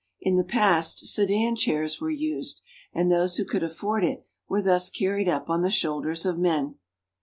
In the past sedan chairs were used, and those who could afford it were thus carried up on the shoulders of men.